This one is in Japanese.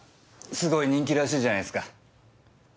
すごい人気らしいじゃないですか。